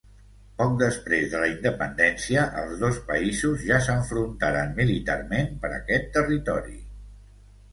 Poc després de la independència, els dos països ja s'enfrontaren militarment per aquest territori.